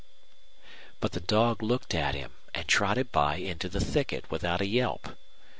But the dog looked at him and trotted by into the thicket without a yelp.